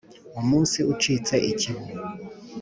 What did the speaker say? umunsi uciye ikibu